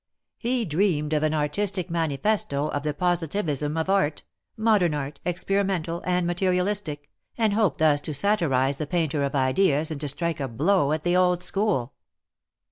He dreamed of an artistic manifesto of the positivism of art — modern art, experimental and material istic, and hoped thus to satirize the painter of ideas and to strike a blow at the old school.